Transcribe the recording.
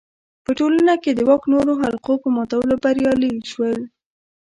په ټولنه کې د واک نورو حلقو په ماتولو بریالی شي.